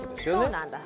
そうなんだ。